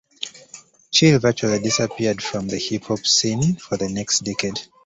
Chill virtually disappeared from the hip hop scene for the next decade.